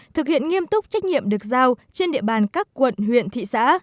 thực hiện nghiêm túc trách nhiệm được giao trên địa bàn các quận huyện thị xã